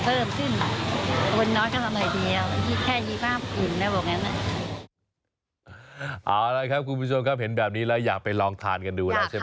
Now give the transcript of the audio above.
เอาละครับคุณผู้ชมครับเห็นแบบนี้แล้วอยากไปลองทานกันดูแล้วใช่ไหม